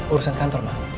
urusan kantor ma